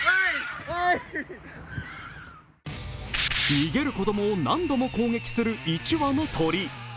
逃げる子供を何度も攻撃する１羽の鳥。